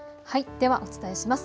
ではお伝えします。